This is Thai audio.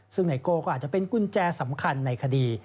ซึ่งไนโก้ก็อาจจะเป็นกุญแจสำคัญในคดี